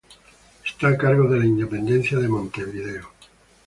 Está a cargo de la Intendencia de Montevideo.